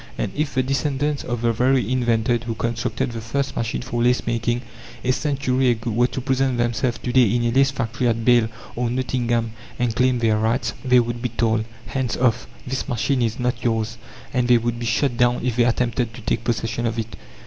And if the descendants of the very inventor who constructed the first machine for lace making, a century ago, were to present themselves to day in a lace factory at Bâle or Nottingham, and claim their rights, they would be told: "Hands off! this machine is not yours," and they would be shot down if they attempted to take possession of it.